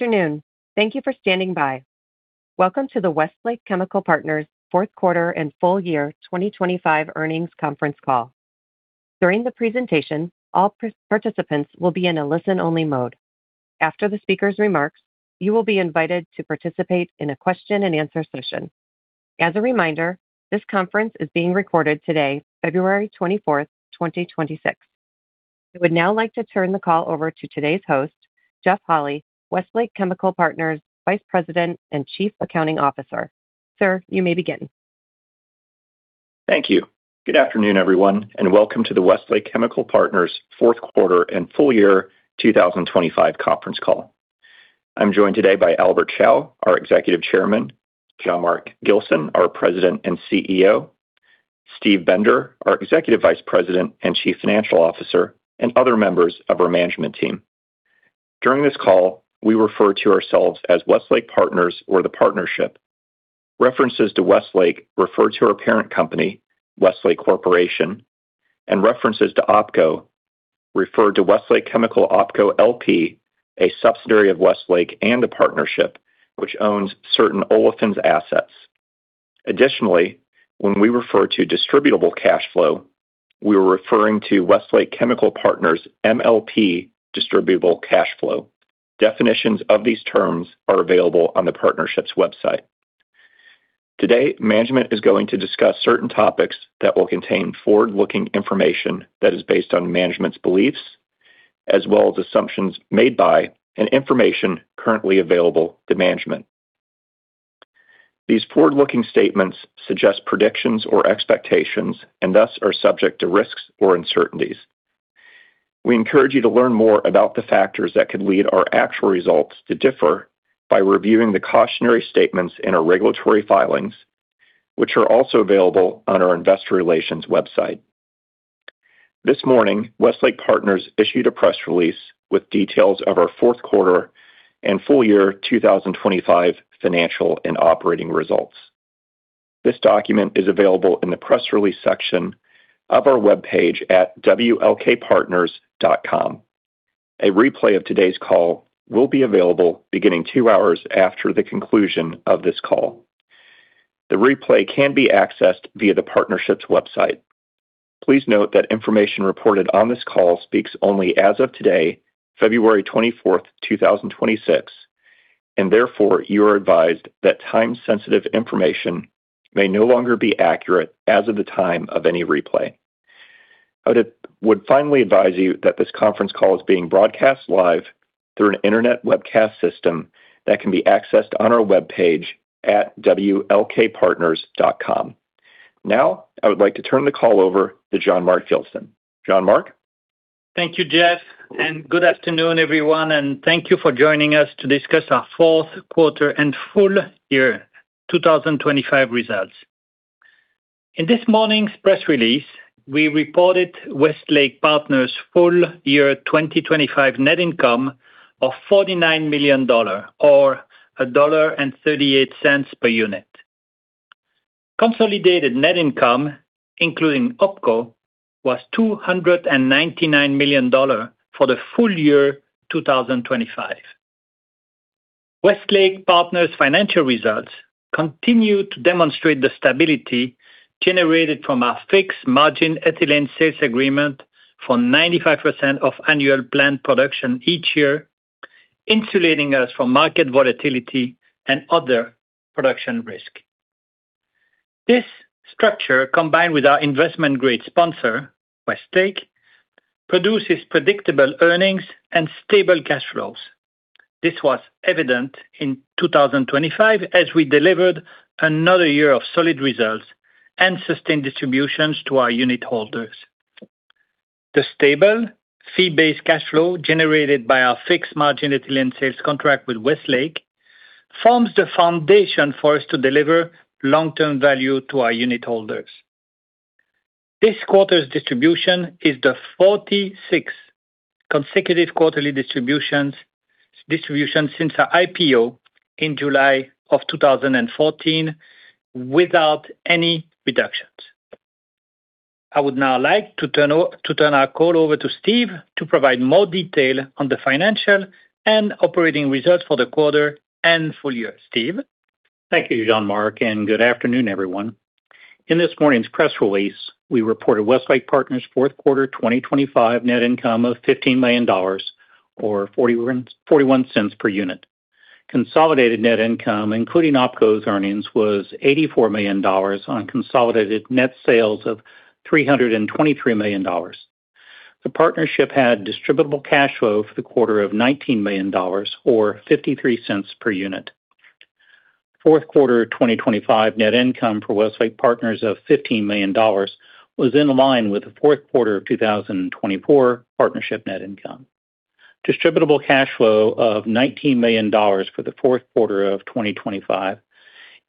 Afternoon. Thank you for standing by. Welcome to the Westlake Chemical Partners fourth quarter and full year 2025 earnings conference call. During the presentation, all participants will be in a listen-only mode. After the speaker's remarks, you will be invited to participate in a question-and-answer session. As a reminder, this conference is being recorded today, February 24th, 2026. I would now like to turn the call over to today's host, Jeff Holy, Westlake Chemical Partners Vice President and Chief Accounting Officer. Sir, you may begin. Thank you. Good afternoon, everyone, welcome to the Westlake Chemical Partners fourth quarter and full year 2025 conference call. I'm joined today by Albert Chao, our Executive Chairman, Jean-Marc Gilson, our President and CEO, Steve Bender, our Executive Vice President and Chief Financial Officer, and other members of our management team. During this call, we refer to ourselves as Westlake Partners or the Partnership. References to Westlake refer to our parent company, Westlake Corporation, and references to OpCo refer to Westlake Chemical OpCo LP, a subsidiary of Westlake and a partnership which owns certain olefins assets. When we refer to distributable cash flow, we are referring to Westlake Chemical Partners MLP distributable cash flow. Definitions of these terms are available on the Partnership's website. Today, management is going to discuss certain topics that will contain forward-looking information that is based on management's beliefs as well as assumptions made by and information currently available to management. These forward-looking statements suggest predictions or expectations and thus are subject to risks or uncertainties. We encourage you to learn more about the factors that could lead our actual results to differ by reviewing the cautionary statements in our regulatory filings, which are also available on our investor relations website. This morning, Westlake Partners issued a press release with details of our fourth quarter and full year 2025 financial and operating results. This document is available in the press release section of our webpage at wlkpartners.com. A replay of today's call will be available beginning 2 hours after the conclusion of this call. The replay can be accessed via the partnership's website. Please note that information reported on this call speaks only as of today, February 24, 2026. Therefore, you are advised that time-sensitive information may no longer be accurate as of the time of any replay. I would finally advise you that this conference call is being broadcast live through an internet webcast system that can be accessed on our webpage at wlkpartners.com. Now, I would like to turn the call over to Jean-Marc Gilson. Jean-Marc? Thank you, Jeff, and good afternoon, everyone, and thank you for joining us to discuss our fourth quarter and full year 2025 results. In this morning's press release, we reported Westlake Partners' full year 2025 net income of $49 million or $1.38 per unit. Consolidated net income, including OpCo, was $299 million for the full year 2025. Westlake Partners' financial results continue to demonstrate the stability generated from our fixed margin Ethylene Sales Agreement for 95% of annual planned production each year, insulating us from market volatility and other production risk. This structure, combined with our investment-grade sponsor, Westlake, produces predictable earnings and stable cash flows. This was evident in 2025 as we delivered another year of solid results and sustained distributions to our unit holders. The stable fee-based cash flow generated by our fixed margin ethylene sales contract with Westlake forms the foundation for us to deliver long-term value to our unit holders. This quarter's distribution is the 46th consecutive quarterly distribution since our IPO in July of 2014 without any reductions. I would now like to turn our call over to Steve to provide more detail on the financial and operating results for the quarter and full year. Steve? Thank you, Jean-Marc, and good afternoon, everyone. In this morning's press release, we reported Westlake Partners' fourth quarter 2025 net income of $15 million, or $0.41 per unit. Consolidated net income, including OpCo's earnings, was $84 million on consolidated net sales of $323 million. The partnership had distributable cash flow for the quarter of $19 million, or $0.53 per unit. Fourth quarter 2025 net income for Westlake Partners of $15 million was in line with the fourth quarter of 2024 partnership net income. Distributable cash flow of $19 million for the fourth quarter of 2025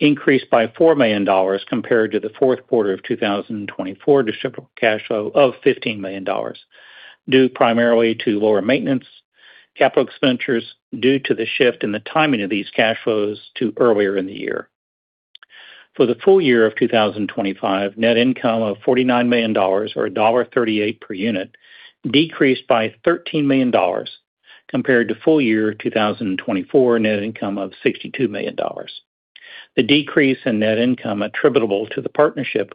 increased by $4 million compared to the fourth quarter of 2024 distributable cash flow of $15 million, due primarily to lower maintenance, capital expenditures, due to the shift in the timing of these cash flows to earlier in the year. For the full year of 2025, net income of $49 million, or $1.38 per unit, decreased by $13 million compared to full year 2024 net income of $62 million. The decrease in net income attributable to the partnership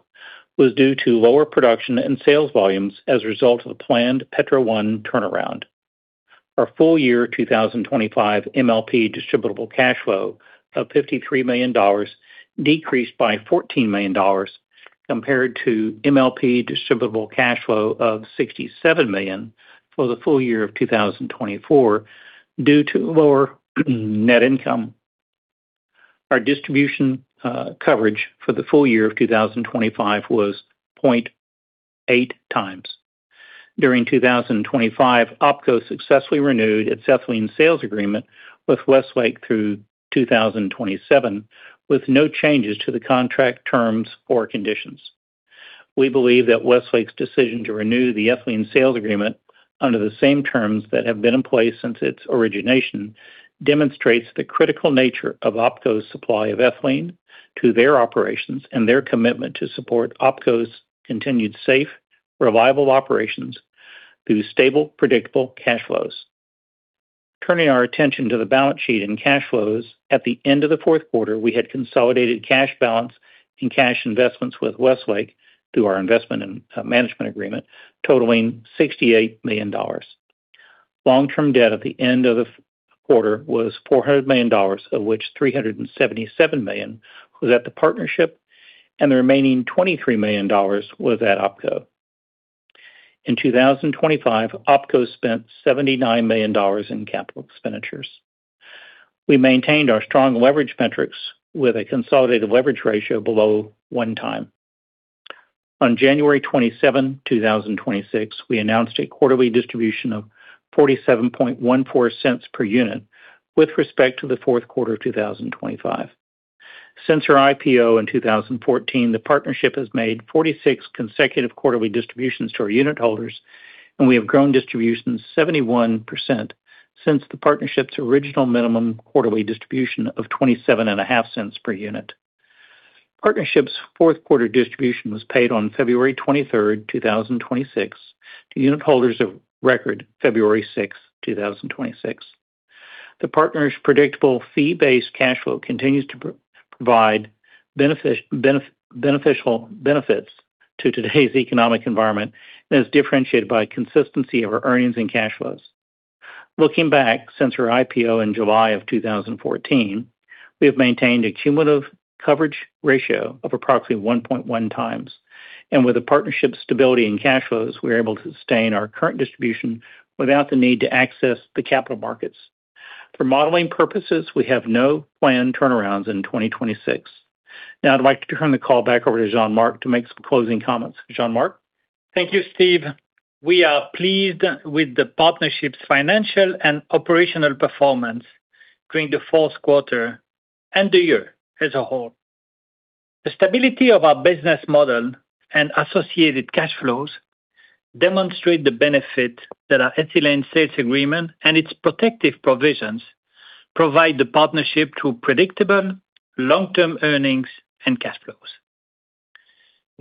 was due to lower production and sales volumes as a result of the planned Petro 1 turnaround. Our full year 2025 MLP distributable cash flow of $53 million decreased by $14 million compared to MLP distributable cash flow of $67 million for the full year of 2024, due to lower net income. Our distribution coverage for the full year of 2025 was 0.8x. During 2025, OpCo successfully renewed its Ethylene Sales Agreement with Westlake through 2027, with no changes to the contract terms or conditions. We believe that Westlake's decision to renew the Ethylene Sales Agreement under the same terms that have been in place since its origination, demonstrates the critical nature of OpCo's supply of ethylene to their operations and their commitment to support OpCo's continued safe, reliable operations through stable, predictable cash flows. Turning our attention to the balance sheet and cash flows. At the end of the fourth quarter, we had consolidated cash balance and cash investments with Westlake through our Investment Management Agreement, totaling $68 million. Long-term debt at the end of the quarter was $400 million, of which $377 million was at the partnership, and the remaining $23 million was at OpCo. In 2025, OpCo spent $79 million in capital expenditures. We maintained our strong leverage metrics with a consolidated leverage ratio below 1 time. On January 27, 2026, we announced a quarterly distribution of $0.4714 per unit with respect to the fourth quarter of 2025. Since our IPO in 2014, the partnership has made 46 consecutive quarterly distributions to our unit holders, and we have grown distributions 71% since the partnership's original minimum quarterly distribution of twenty-seven and a half cents per unit. Partnership's fourth quarter distribution was paid on February 23, 2026, to unit holders of record February 6, 2026. The partner's predictable fee-based cash flow continues to provide beneficial benefits to today's economic environment and is differentiated by consistency of our earnings and cash flows. Looking back, since our IPO in July 2014, we have maintained a cumulative coverage ratio of approximately 1.1 times, and with the partnership's stability and cash flows, we are able to sustain our current distribution without the need to access the capital markets. For modeling purposes, we have no planned turnarounds in 2026. Now, I'd like to turn the call back over to Jean-Marc to make some closing comments. Jean-Marc? Thank you, Steve. We are pleased with the partnership's financial and operational performance during the fourth quarter and the year as a whole. The stability of our business model and associated cash flows demonstrate the benefit that our Ethylene Sales Agreement and its protective provisions provide the partnership through predictable long-term earnings and cash flows.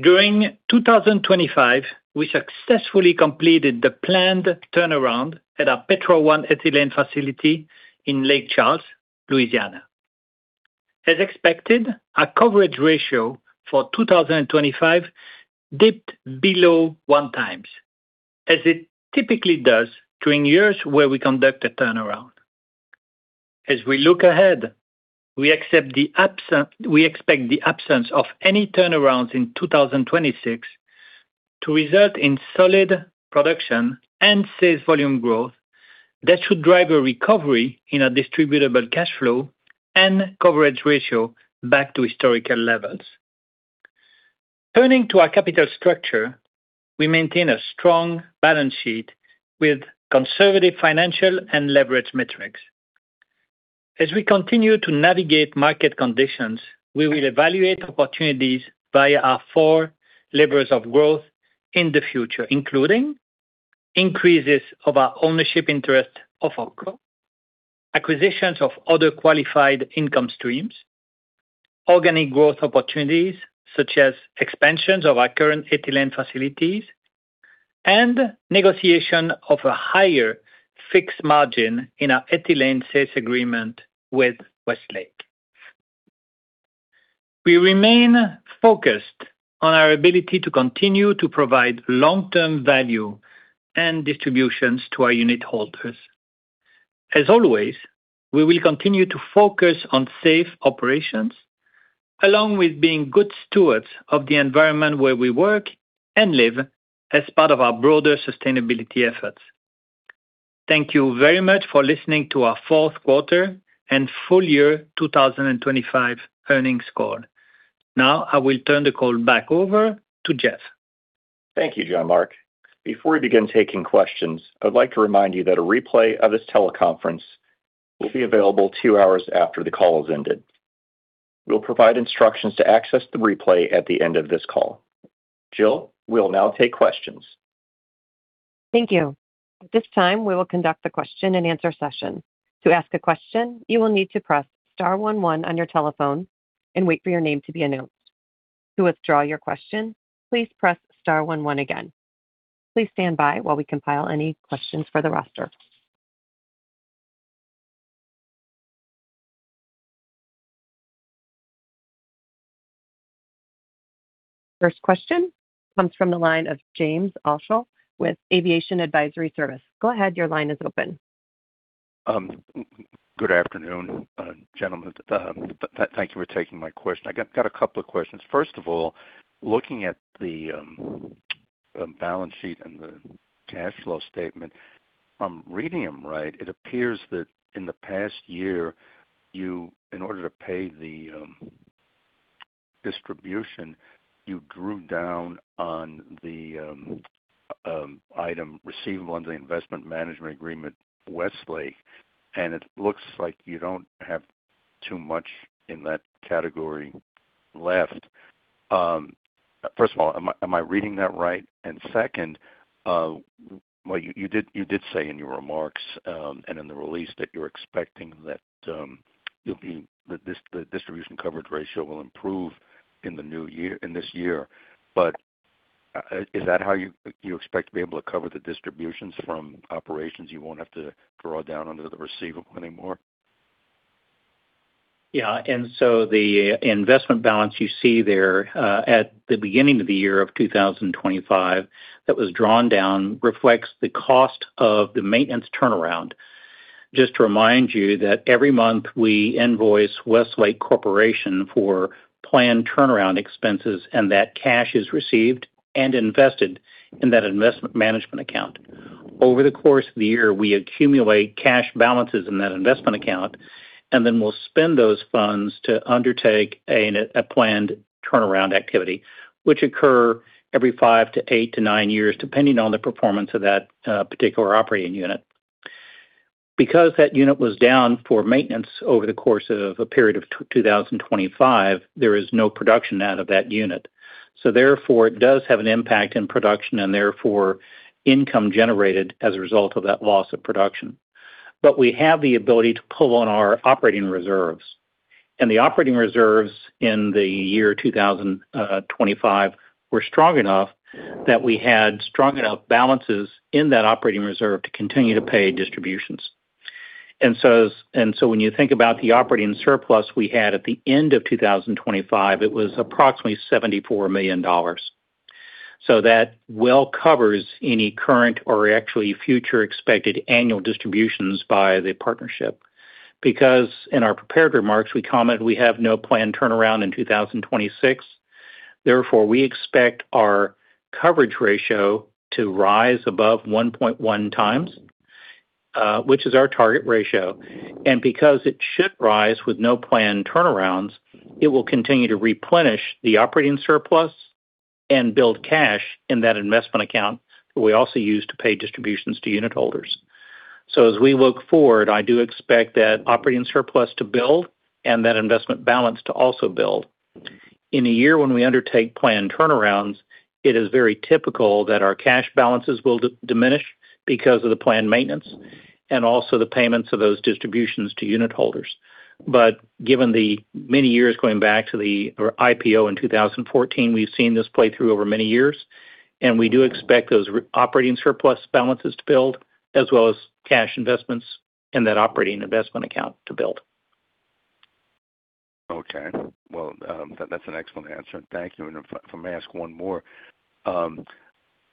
During 2025, we successfully completed the planned turnaround at our Petro 1 ethylene facility in Lake Charles, Louisiana. As expected, our coverage ratio for 2025 dipped below 1 times, as it typically does during years where we conduct a turnaround. As we look ahead, we expect the absence of any turnarounds in 2026 to result in solid production and sales volume growth that should drive a recovery in our distributable cash flow and coverage ratio back to historical levels. Turning to our capital structure, we maintain a strong balance sheet with conservative financial and leverage metrics. As we continue to navigate market conditions, we will evaluate opportunities via our four levers of growth in the future, including increases of our ownership interest of OpCo, acquisitions of other qualified income streams, organic growth opportunities, such as expansions of our current ethylene facilities, and negotiation of a higher fixed margin in our Ethylene Sales Agreement with Westlake. We remain focused on our ability to continue to provide long-term value and distributions to our unit holders. As always, we will continue to focus on safe operations, along with being good stewards of the environment where we work and live as part of our broader sustainability efforts. Thank you very much for listening to our fourth quarter and full year 2025 earnings call. Now I will turn the call back over to Jeff. Thank you, Jean-Marc. Before we begin taking questions, I would like to remind you that a replay of this teleconference will be available two hours after the call has ended. We'll provide instructions to access the replay at the end of this call. Jill, we'll now take questions. Thank you. At this time, we will conduct the question and answer session. To ask a question, you will need to press star one one on your telephone and wait for your name to be announced. To withdraw your question, please press star one one again. Please stand by while we compile any questions for the roster. First question comes from the line of James Allshull with Aviation Advisory Service. Go ahead. Your line is open. Good afternoon, gentlemen. Thank you for taking my question. I got two questions. First of all, looking at the balance sheet and the cash flow statement, if I'm reading them right, it appears that in the past year, in order to pay the distribution, you drew down on the item receivable under the Investment Management Agreement, Westlake, and it looks like you don't have too much in that category left. First of all, am I reading that right? Second, well, you did say in your remarks and in the release that you're expecting that the distribution coverage ratio will improve in the new year, in this year. Is that how you expect to be able to cover the distributions from operations, you won't have to draw down under the receivable anymore? The investment balance you see there, at the beginning of the year of 2025, that was drawn down, reflects the cost of the maintenance turnaround. Just to remind you that every month we invoice Westlake Corporation for planned turnaround expenses, and that cash is received and invested in that investment management account. Over the course of the year, we accumulate cash balances in that investment account, and then we'll spend those funds to undertake a planned turnaround activity, which occur every five to eight to nine years, depending on the performance of that particular operating unit. Because that unit was down for maintenance over the course of a period of 2025, there is no production out of that unit. Therefore, it does have an impact in production and therefore income generated as a result of that loss of production. We have the ability to pull on our operating reserves. The operating reserves in 2025 were strong enough that we had strong enough balances in that operating reserve to continue to pay distributions. When you think about the operating surplus we had at the end of 2025, it was approximately $74 million. That well covers any current or actually future expected annual distributions by the partnership. Because in our prepared remarks, we commented we have no planned turnaround in 2026. Therefore, we expect our coverage ratio to rise above 1.1 times, which is our target ratio. Because it should rise with no planned turnarounds, it will continue to replenish the operating surplus and build cash in that investment account that we also use to pay distributions to unitholders. As we look forward, I do expect that operating surplus to build and that investment balance to also build. In a year when we undertake planned turnarounds, it is very typical that our cash balances will diminish because of the planned maintenance and also the payments of those distributions to unitholders. Given the many years going back to the IPO in 2014, we've seen this play through over many years, and we do expect those operating surplus balances to build, as well as cash investments in that operating investment account to build. That's an excellent answer. Thank you. If I may ask one more.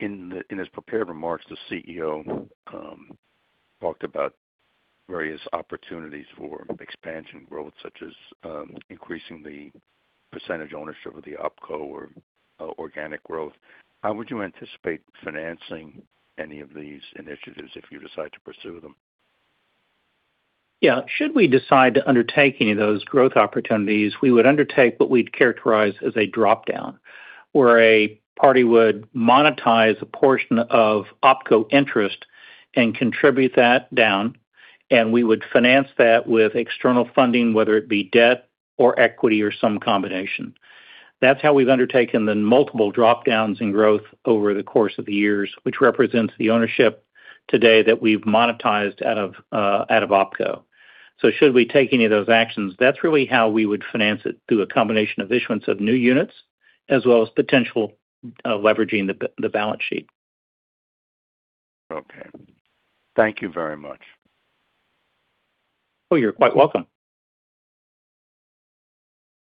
In his prepared remarks, the CEO talked about various opportunities for expansion growth, such as increasing the percentage ownership of the OpCo or organic growth. How would you anticipate financing any of these initiatives if you decide to pursue them? Should we decide to undertake any of those growth opportunities, we would undertake what we'd characterize as a drop-down, where a party would monetize a portion of OpCo interest and contribute that down, and we would finance that with external funding, whether it be debt or equity or some combination. That's how we've undertaken the multiple drop-downs in growth over the course of the years, which represents the ownership today that we've monetized out of OpCo. Should we take any of those actions, that's really how we would finance it, through a combination of issuance of new units as well as potential leveraging the balance sheet. Okay. Thank you very much. Oh, you're quite welcome.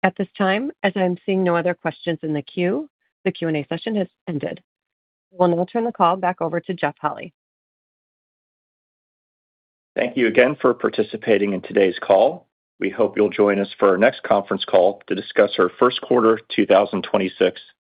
At this time, as I'm seeing no other questions in the queue, the Q&A session has ended. We'll now turn the call back over to Jeff Hawley. Thank you again for participating in today's call. We hope you'll join us for our next conference call to discuss our first quarter 2026 results.